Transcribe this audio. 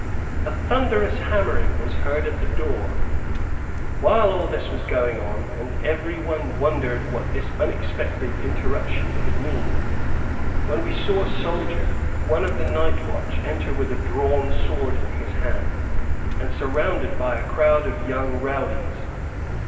[A thunderous hammering was heard at the door, while all this was going on, and everyone wondered what this unexpected interruption could mean, when we saw a soldier, one of the night watch, enter with a drawn sword in his hand, and surrounded by a crowd of young rowdies.